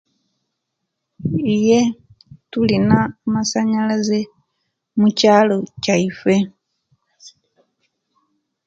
Iye tulina amasanyalaze omukyalo kyaife